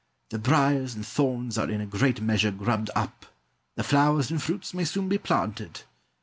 The briars and thorns are in a great measure grubbed up; the flowers and fruits may soon be planted.